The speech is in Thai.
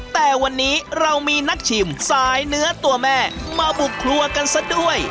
แต่วันนี้เรามีนักชิมสายเนื้อตัวแม่มาบุกครัวกันซะด้วย